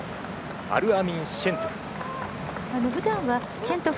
アルアミン・シェントゥフ。